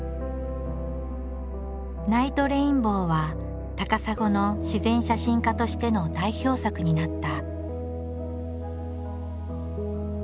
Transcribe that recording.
ナイトレインボーは高砂の自然写真家としての代表作になった。